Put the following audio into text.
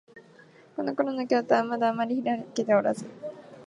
このころの京都は、まだあまりひらけておらず、